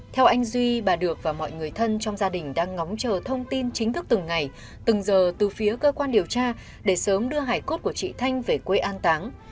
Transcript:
theo anh duy bà được và mọi người thân trong gia đình đang ngóng chờ thông tin chính thức từng ngày từng giờ từ phía cơ quan điều tra để sớm đưa hải cốt của chị thanh về quê an táng